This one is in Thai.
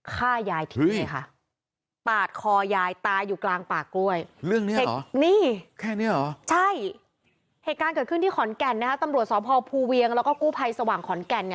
ฆ่ายายทิ้งเลยค่ะ